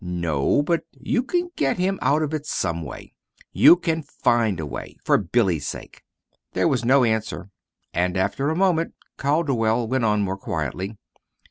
"No, but you can get him out of it some way. You can find a way for Billy's sake." There was no answer, and, after a moment, Calderwell went on more quietly.